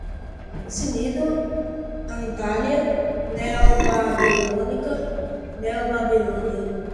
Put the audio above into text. Cnido, Antália, neobabilônica, neobabilônia